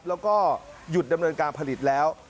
แล้วก็หยุดดำเนินการผลิตแล้ว